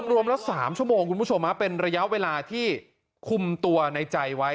รวมละ๓ชั่วโมงคุณผู้ชมเป็นระยะเวลาที่คุมตัวในใจไว้